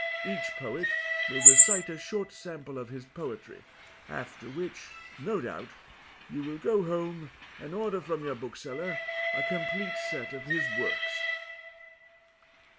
Each poet will recite a short sample of his poetry, after which, no doubt, you will go home and order from your bookseller a complete set of his works."